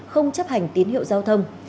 không chấp hành tín hiệu giao thông